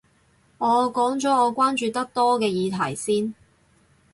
我講咗我關注得多嘅議題先